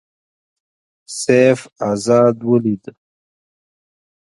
سیف آزاد ولید.